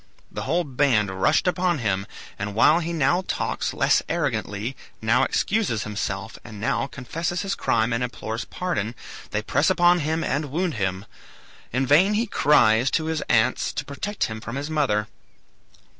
The whole band rushed upon him, and while he now talks less arrogantly, now excuses himself, and now confesses his crime and implores pardon, they press upon him and wound him. In vain he cries to his aunts to protect him from his mother.